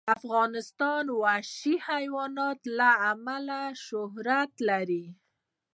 افغانستان د وحشي حیوانات له امله شهرت لري.